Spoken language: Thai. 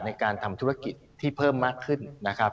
ในการทำธุรกิจที่เพิ่มมากขึ้นนะครับ